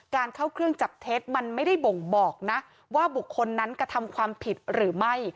เข้าเครื่องจับเท็จมันไม่ได้บ่งบอกนะว่าบุคคลนั้นกระทำความผิดหรือไม่